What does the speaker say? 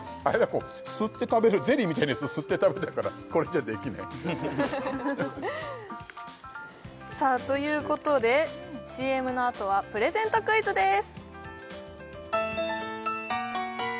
こう吸って食べるゼリーみたいなやつ吸って食べたからこれじゃできないということでＣＭのあとはプレゼントクイズです